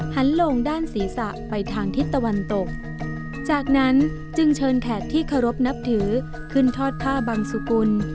หันลงด้านศีรษะไปทางทิศตะวันตกจากนั้นจึงเชิญแขกที่เคารพนับถือขึ้นทอดผ้าบังสุกุล